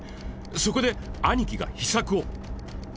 そこで兄貴が秘策を！